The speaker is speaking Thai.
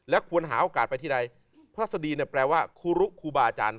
แล้วควรหาโอกาสไปที่ไหนพระทัศนีแปลว่าคุรุคุบาอาจารย์